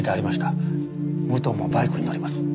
武藤もバイクに乗ります。